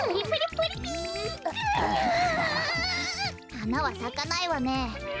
はなはさかないわね。